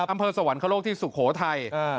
อำเภอสวรรค์คลโลกที่สุโขทัย